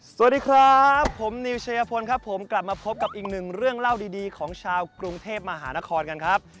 สวัสดีครับผมนิวชัยพลครับผมกลับมาพบกับอีกหนึ่งเรื่องเล่าดีของชาวกรุงเทพมหานครกันครับ